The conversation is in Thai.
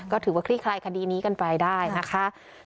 ก็ถือว่าคลี่คลายคดีนี้กันไปได้นะคะ